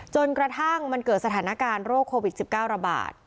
จนกระทั่งมันเกิดสถานการณ์โรคโควิด๑๙ระบาด